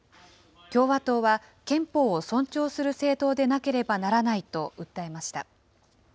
共和党は憲法を尊重する政党でなければならないと訴えました。